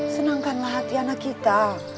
senangkanlah hati anak kita